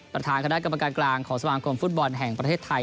ประธานคณะกรรมการกลางของสมาคมฟุตบอลแห่งประเทศไทย